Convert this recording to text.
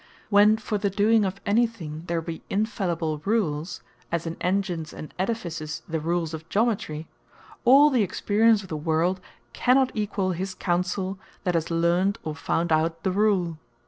When for the doing of any thing, there be Infallible rules, (as in Engines, and Edifices, the rules of Geometry,) all the experience of the world cannot equall his Counsell, that has learnt, or found out the Rule.